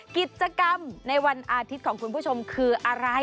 กิจกรรมในวันอาทิตย์ของคุณผู้ชมคืออะไร